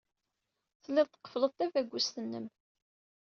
Telliḍ tqeffleḍ tabagust-nnem.